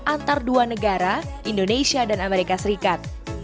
antar dua negara indonesia dan amerika serikat